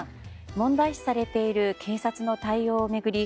問題視されている警察の対応を巡り